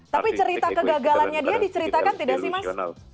tapi cerita kegagalannya dia diceritakan tidak sih mas